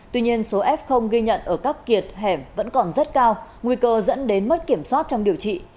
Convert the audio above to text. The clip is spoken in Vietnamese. tuy nhiên số f ghi nhận ở các kiệt hẻm vẫn còn rất cao nguy cơ dẫn đến mất kiểm soát trong điều trị